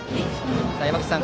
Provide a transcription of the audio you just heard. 山口さん